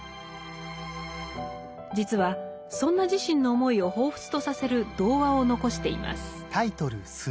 実はそんな自身の思いを彷彿とさせる童話を残しています。